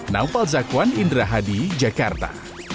naufal zakwan indra hadi jakarta